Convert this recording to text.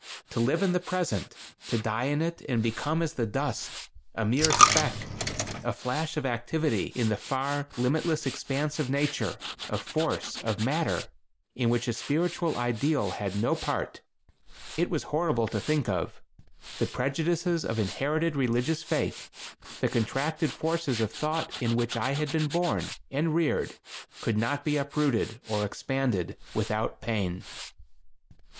To live in the Present; to die in it and become as the dust; a mere speck, a flash of activity in the far, limitless expanse of Nature, of Force, of Matter in which a spiritual ideal had no part. It was horrible to think of. The prejudices of inherited religious faith, the contracted forces of thought in which I had been born and reared could not be uprooted or expanded without pain.